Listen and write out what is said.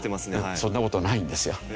そんな事ないんですよ。